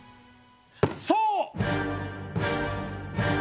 そう！